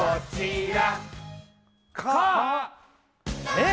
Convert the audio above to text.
えっ？